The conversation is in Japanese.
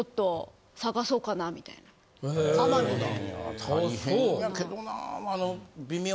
大変やけどな。